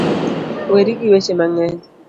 Weri gi weche mang'eny